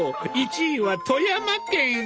１位は富山県！